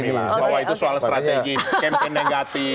bahwa itu soal strategi campaign negatif